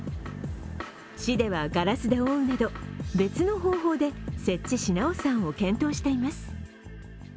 市では、ガラスで覆うなど、別の方法で設置し直す案を検討しています。